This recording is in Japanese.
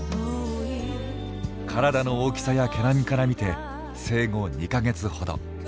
体の大きさや毛並みからみて生後２か月ほど。